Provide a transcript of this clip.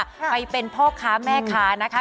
ไปเป็นพ่อค้าแม่ค้านะคะ